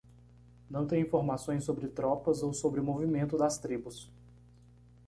Não tenho informações sobre tropas ou sobre o movimento das tribos.